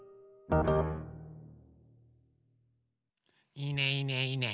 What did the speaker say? いいねいいねいいね。